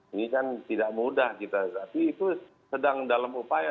ini kan tidak mudah kita tapi itu sedang dalam upaya